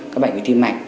các bệnh về tim mạnh